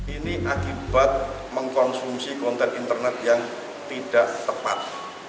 ini akibat mengkonsumsi konten internet yang tidak tepat